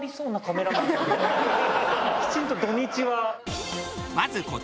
きちんと土日は。